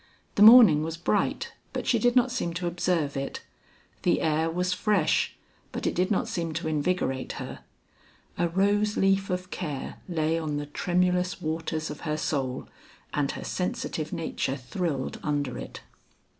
The morning was bright, but she did not seem to observe it; the air was fresh, but it did not seem to invigorate her. A rose leaf of care lay on the tremulous waters of her soul, and her sensitive nature thrilled under it.